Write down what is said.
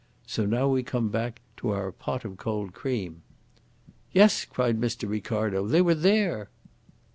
So now we come back to our pot of cold cream." "Yes!" cried Mr. Ricardo. "They were there."